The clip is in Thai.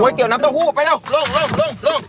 ก๋วยเตี๋ยวน้ำเต้าหู้ไปเร็วลงลงลง